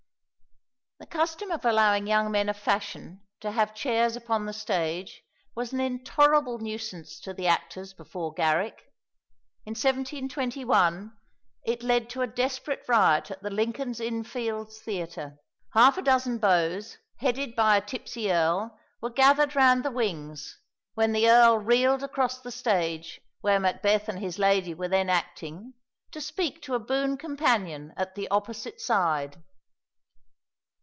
The custom of allowing young men of fashion to have chairs upon the stage was an intolerable nuisance to the actors before Garrick. In 1721 it led to a desperate riot at the Lincoln's Inn Fields Theatre. Half a dozen beaux, headed by a tipsy earl, were gathered round the wings, when the earl reeled across the stage where Macbeth and his lady were then acting, to speak to a boon companion at the opposite side.